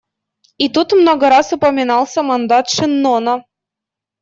И тут много раз упоминался мандат Шеннона.